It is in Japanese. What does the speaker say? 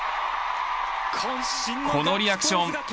このリアクション。